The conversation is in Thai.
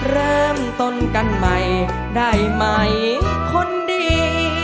เริ่มต้นกันใหม่ได้ไหมคนดี